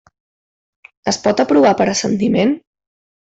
Es pot aprovar per assentiment?